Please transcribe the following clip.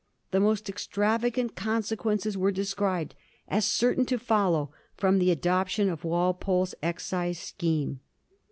The most extravagant consequences were described as certain to follow fix)m the adoption of Walpole's excise scheme.